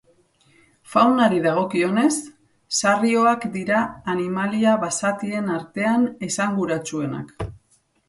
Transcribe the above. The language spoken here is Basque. Faunari dagokionez, sarrioak dira animalia basatien artean esanguratsuenak.